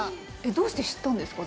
どうして知ったんですか？